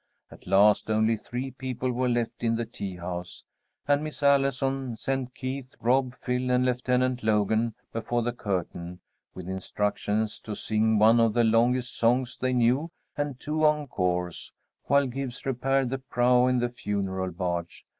At last only three people were left in the tea house, and Miss Allison sent Keith, Rob, Phil, and Lieutenant Logan before the curtain, with instructions to sing one of the longest songs they knew and two encores, while Gibbs repaired the prow of the funeral barge.